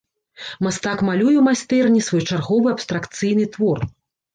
Мастак малюе ў майстэрні свой чарговы абстракцыйны твор.